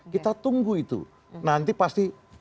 kita tunggu itu nanti pasti